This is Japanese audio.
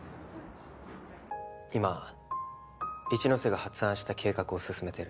今一ノ瀬が発案した計画を進めてる。